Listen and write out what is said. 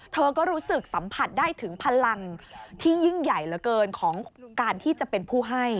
เธอก็รู้สึกสัมผัสได้ถึงพลังที่ยิ่งใหญ่เหลือเกินของการที่จะเป็นผู้ให้